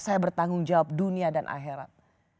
saya bertanggung jawab dunia dan akhirat